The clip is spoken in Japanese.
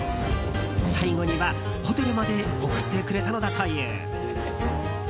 最後には、ホテルまで送ってくれたのだという。